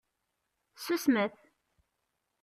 Susmet!